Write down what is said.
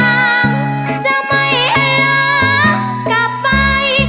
อย่างจะไม่หลักกลับไป